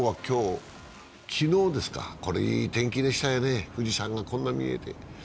昨日、いい天気でしたよね、富士山がこんな見えて。